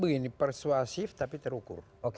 ini persuasif tapi terukur